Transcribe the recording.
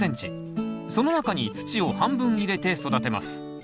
その中に土を半分入れて育てます。